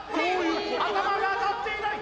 頭が当たっていない！